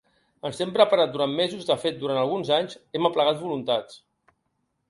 Ens hem preparat durant mesos, de fet, durant alguns anys, hem aplegat voluntats.